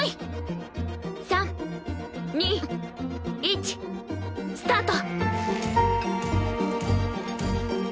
３２１スタート。